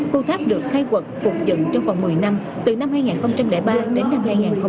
khu tháp được khai quật phục dựng trong vòng một mươi năm từ năm hai nghìn ba đến năm hai nghìn một mươi ba